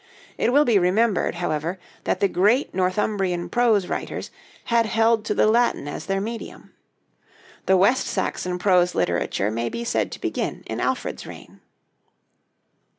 It will be remembered, however, that the great Northumbrian prose writers had held to the Latin as their medium. The West Saxon prose literature may be said to begin in Alfred's reign.